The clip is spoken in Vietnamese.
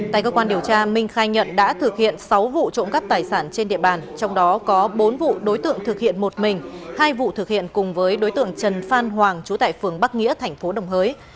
tại cơ quan điều tra minh khai nhận đã thực hiện sáu vụ trộm cắp tài sản trên địa bàn trong đó có bốn vụ đối tượng thực hiện một mình hai vụ thực hiện cùng với đối tượng trần phan hoàng trú tại phường bắc nghĩa thành phố đồng hới